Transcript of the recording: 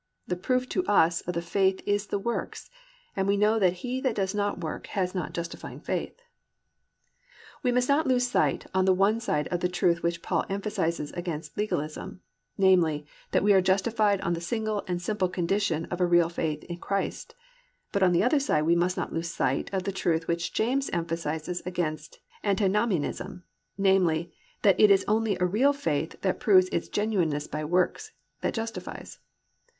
The proof to us of the faith is the works, and we know that he that does not work has not justifying faith. We must not lose sight on the one side of the truth which Paul emphasises against legalism, namely, that we are justified on the single and simple condition of a real faith in Christ; but on the other side we must not lose sight of the truth which James emphasises against antinomianism, namely, that it is only a real faith that proves its genuineness by works, that justifies.